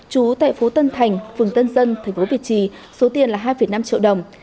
chú tại phố tân thành phường tân dân thành phố việt trì số tiền là hai năm triệu đồng